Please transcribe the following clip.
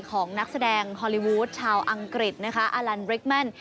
ของนักแสดงฮอลลีวูดชาวอังกฤษอะลันด์บริกมัน